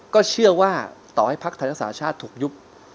ก็เชื่อว่าต่อให้พรรคไทยและสาชาธิ์ถูกยุบ